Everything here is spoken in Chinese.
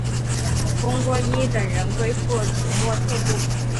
翁郭依等人归附土默特部。